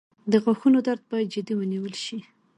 • د غاښونو درد باید جدي ونیول شي.